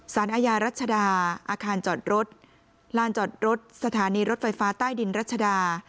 อาญารัชดาอาคารจอดรถลานจอดรถสถานีรถไฟฟ้าใต้ดินรัชดา